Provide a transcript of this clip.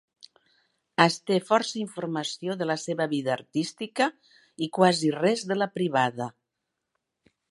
Es té força informació de la seva vida artística i quasi res de la privada.